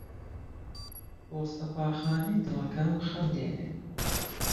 بۆ سهفاخانهی دڵهکهم خهم دێنێ